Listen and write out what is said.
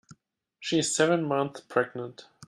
She is seven months pregnant.